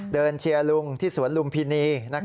เชียร์ลุงที่สวนลุมพินี